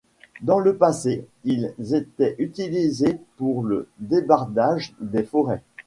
Dans le passé ils étaient utilisés pour le débardage des forêts.